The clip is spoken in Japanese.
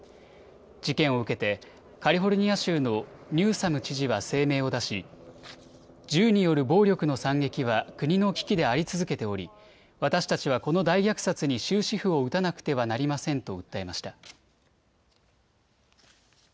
事件を受けてカリフォルニア州のニューサム知事は声明を出し、銃による暴力の惨劇は国の危機であり続けており私たちはこの大虐殺に終止符を打たなくてはなりませんと訴えました。